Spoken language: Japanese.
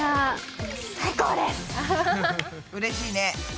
うれしいね。